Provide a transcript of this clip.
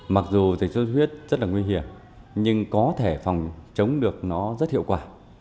mặc dù dịch sốt huyết rất là nguy hiểm nhưng có thể phòng chống được nó rất hiệu quả